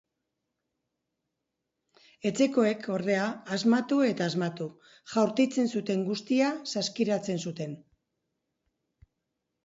Etxekoek, ordea, asmatu eta asmatu, jaurtitzen zuten guztia saskiratzen zuten.